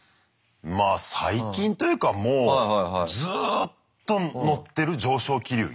まあ最近というかもうずっと乗ってる上昇気流に。